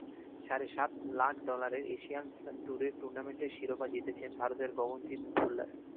সাড়ে সাত লাখ ডলারের এশিয়ান ট্যুরের টুর্নামেন্টের শিরোপা জিতেছেন ভারতের গগনজিৎ ভুল্লার।